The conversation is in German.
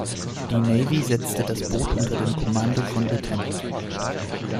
Die Navy setzte das Boot unter dem Kommando von Lt.